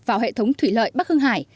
vào hệ thống thủy lợi bắc hưng hải